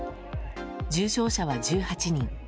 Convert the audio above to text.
重症者は１８人。